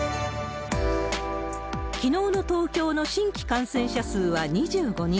きのうの東京の新規感染者数は２５人。